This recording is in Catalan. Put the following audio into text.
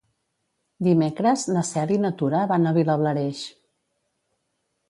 Dimecres na Cel i na Tura van a Vilablareix.